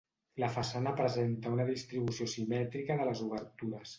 La façana presenta una distribució simètrica de les obertures.